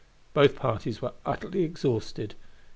Both parties were utterly exhausted.